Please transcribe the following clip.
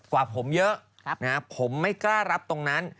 กว่าผมเยอะผมไม่กล้ารับตรงนั้น